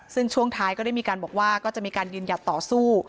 ซึ่งช่วงท้ายก็ได้มีการบอกว่าก็จะมีการยืนหยัดต่อสู้